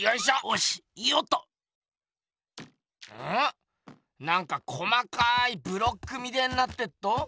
なんか細かいブロックみてえになってっど。